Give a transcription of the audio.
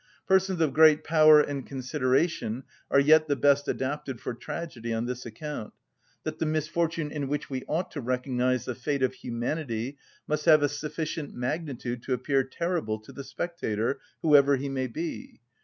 Persons of great power and consideration are yet the best adapted for tragedy on this account, that the misfortune in which we ought to recognise the fate of humanity must have a sufficient magnitude to appear terrible to the spectator, whoever he may be.